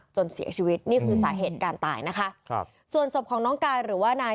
จนเสียชีวิตนี่คือสาเหตุการตายนะคะครับส่วนศพของน้องกายหรือว่านาย